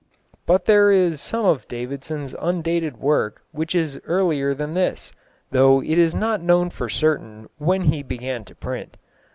_ But there is some of Davidson's undated work which is earlier than this, though it is not known for certain when he began to print.